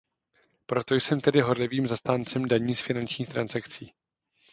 Proto jsem tedy horlivým zastáncem daní z finančních transakcí.